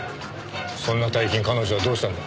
そんな大金彼女はどうしたんだ？